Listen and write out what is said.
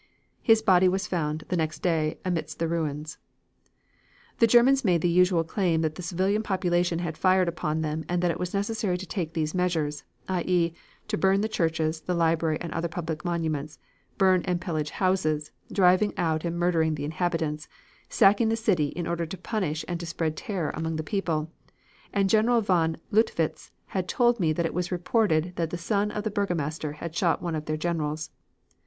His body was found the next day amidst the ruins. ... "The Germans made the usual claim that the civil population had fired upon them and that it was necessary to take these measures, i. e., burn the churches, the library and other public monuments, burn and pillage houses, driving out and murdering the inhabitants, sacking the city in order to punish and to spread terror among the people, and General von Luttwitz had told me that it was reported that the son of the burgomaster had shot one of their generals.